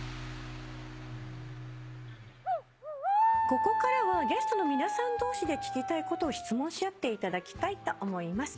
ここからはゲストの皆さん同士で聞きたいことを質問し合っていただきたいと思います。